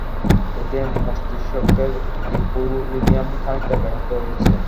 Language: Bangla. এতে মস্তিষ্কের ইকুইলিব্রিয়াম খানিকটা ব্যাহত হয়েছে।